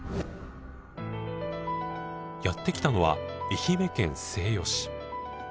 やって来たのは愛媛県西予市。